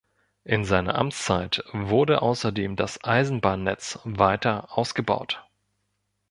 In seiner Amtszeit wurde außerdem das Eisenbahnnetz weiter ausgebaut.